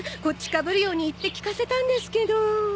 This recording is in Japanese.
こっちかぶるように言って聞かせたんですけど。